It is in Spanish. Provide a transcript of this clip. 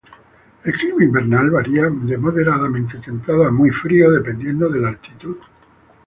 El clima invernal varía de moderadamente templado a muy frío, dependiendo de la altitud.